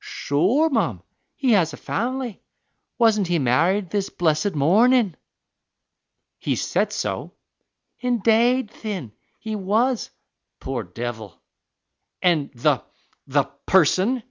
"Sure, mum, he has a family; wasn't he married this blessed mornin'?" "He said so." "Indade, thin, he was the pore divil!" "And the the person?"